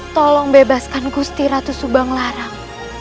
tolong bebaskan gusti ratu subang larang